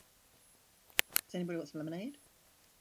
Does anybody want some lemonade?